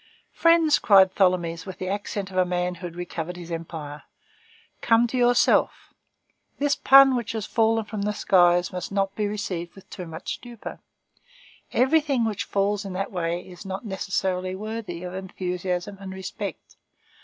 "Friends," cried Tholomyès, with the accent of a man who had recovered his empire, "Come to yourselves. This pun which has fallen from the skies must not be received with too much stupor. Everything which falls in that way is not necessarily worthy of enthusiasm and respect.